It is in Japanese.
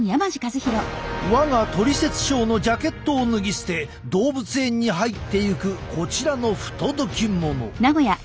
我が「トリセツショー」のジャケットを脱ぎ捨て動物園に入っていくこちらの不届き者。